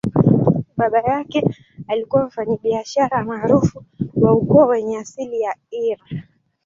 Baba yake alikuwa mfanyabiashara maarufu wa ukoo wenye asili ya Eire.